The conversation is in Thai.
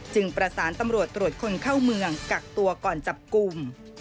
ประสานตำรวจตรวจคนเข้าเมืองกักตัวก่อนจับกลุ่ม